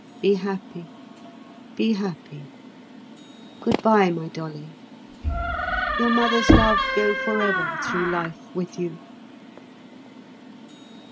Be happy! be happy! Goodbye, my Dolly! Your mother's love go forever through life with you!